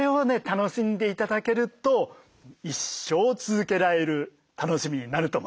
楽しんで頂けると一生続けられる楽しみになると思います。